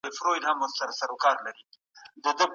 کلن نظام په اوږدو کي د دولتي چوکیو په ويش کي